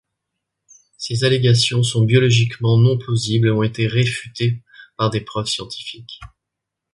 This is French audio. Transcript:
Ces allégations sont biologiquement non-plausibles et ont été réfutées par des preuves scientifiques.